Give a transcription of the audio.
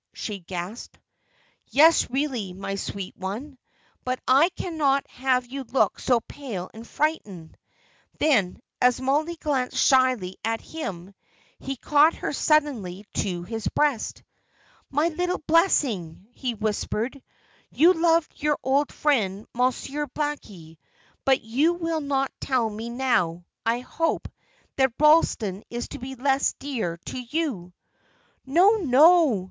she gasped. "Yes, really, my sweet one. But I cannot have you look so pale and frightened." Then, as Mollie glanced shyly at him, he caught her suddenly to his breast. "My little blessing," he whispered. "You loved your old friend, Monsieur Blackie; but you will not tell me now, I hope, that Ralston is to be less dear to you." "No, no!"